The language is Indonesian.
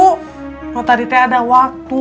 kalo tadi ada waktu